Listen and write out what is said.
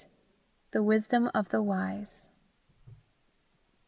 THE WISDOM OF THE WISE.